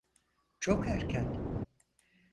Çok erken.